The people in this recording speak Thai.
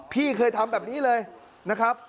พี่เคยทำแบบนี้เลยนะครับ